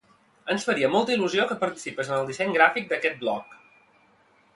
Ens faria molta il·lusió que participis en el disseny gràfic d'aquest blog!